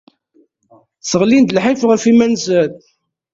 Sseɣlin-d lḥif ɣef yiman-nsen.